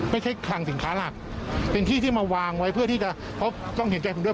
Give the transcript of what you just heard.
คลังสินค้าหลักเป็นที่ที่มาวางไว้เพื่อที่จะเพราะต้องเห็นใจผมด้วย